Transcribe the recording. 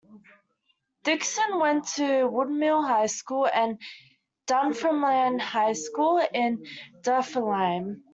Dickson went to Woodmill High School and Dunfermline High School in Dunfermline.